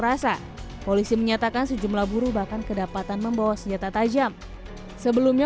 rasa polisi menyatakan sejumlah buruh bahkan kedapatan membawa senjata tajam sebelumnya